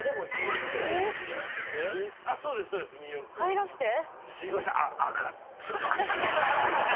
入らせて。